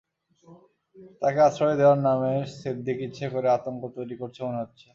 তাঁকে আশ্রয় দেওয়ার নামে সিদ্দিক ইচ্ছে করে আতঙ্ক তৈরি করছে মনে হচ্ছে।